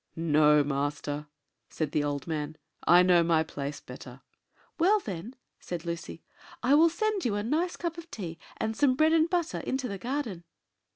"No, master," said the old man: "I know my place better." "Well, then," said Lucy, "I will send you a nice cup of tea, and some bread and butter, into the garden."